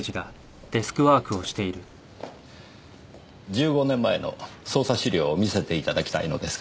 １５年前の捜査資料を見せていただきたいのですが。